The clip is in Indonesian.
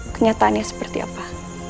kenyataannya seperti apa